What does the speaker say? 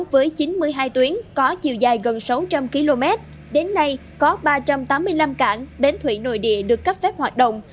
với chín mươi hai tuyến có chiều dài gần sáu trăm linh km đến nay có ba trăm tám mươi năm cảng bến thủy nội địa được cấp phép hoạt động